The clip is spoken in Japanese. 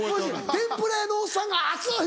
天ぷら屋のおっさんが「熱っ！」